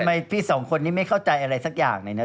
ทำไมพี่สองคนนี้ไม่เข้าใจอะไรสักอย่างหน่อยนะ